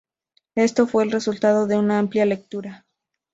Esto fue el resultado de una amplia lectura.